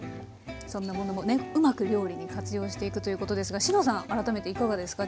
そんなものもねうまく料理に活用していくということですがＳＨＩＮＯさん改めていかがですか？